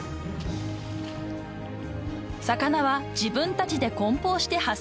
［魚は自分たちで梱包して発送］